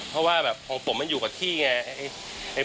เพราะว่าแบบของผมมันอยู่กับที่ไง